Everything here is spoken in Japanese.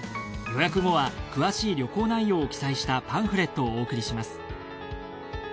予約後は詳しい旅行内容を記載したパンフレットをお送りします。